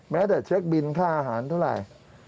แม้แต่เช็คบินค่าอาหารเท่าไหร่